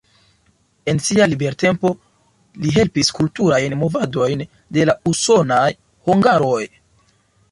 En sia libertempo li helpis kulturajn movadojn de la usonaj hungaroj.